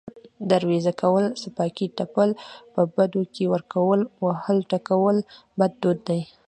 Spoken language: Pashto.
دروېزه کول، څپياکې تپل، په بدو کې ورکول، وهل، ټکول بد دود دی